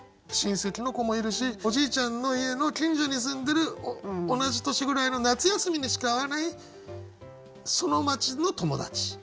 親戚の子もいるしおじいちゃんの家の近所に住んでる同じ年くらいの夏休みにしか会わないその町の友達。